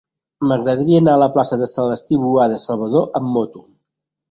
M'agradaria anar a la plaça de Celestí Boada Salvador amb moto.